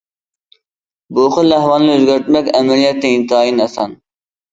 بۇ خىل ئەھۋالنى ئۆزگەرتمەك ئەمەلىيەتتە ئىنتايىن ئاسان.